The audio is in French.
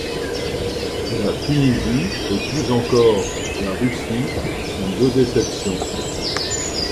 La Tunisie et, plus encore, la Russie, sont deux déceptions.